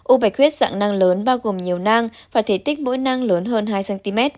u bạch huyết dạng nang lớn bao gồm nhiều nang và thể tích mỗi nang lớn hơn hai cm